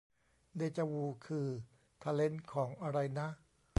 เดจาวู คือทาเลนท์ของ อะไรนะ